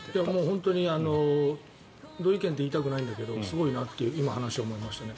本当に同意見と言いたくないんですけどすごいなと思いましたね。